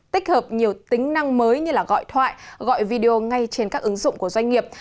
tích hợp nhiều tính năng mới như gọi thoại gọi video ngay trên các ứng dụng của doanh nghiệp